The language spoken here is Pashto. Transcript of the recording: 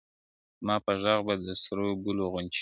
زما په ږغ به د سرو ګلو غنچي وا سي,